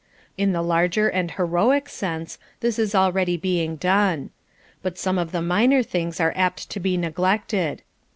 In the larger and heroic sense this is already being done. But some of the minor things are apt to be neglected.